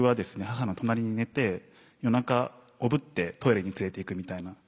母の隣に寝て夜中おぶってトイレに連れていくみたいな。